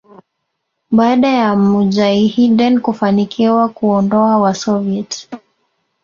baada ya Mujahideen kufanikiwa kuwaondoa Wasoviet